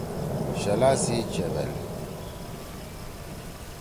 شلا سی چیویل۔